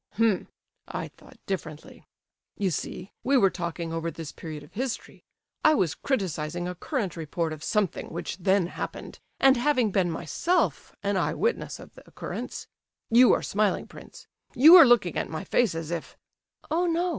"H'm; I thought differently. You see, we were talking over this period of history. I was criticizing a current report of something which then happened, and having been myself an eye witness of the occurrence—you are smiling, prince—you are looking at my face as if—" "Oh no!